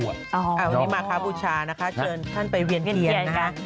อ๋อวันนี้มาค้าภูชานะคะเชิญท่านไปเวียนเทียนนะครับ